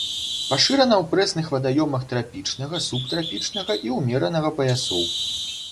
Пашырана ў прэсных вадаёмах трапічнага, субтрапічнага і ўмеранага паясоў.